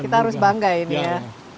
kita harus bangga ini ya